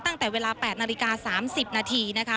ตั้งแต่เวลา๘นาฬิกา๓๐นาทีนะคะ